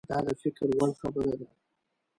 دا د فکر وړ خبره ده.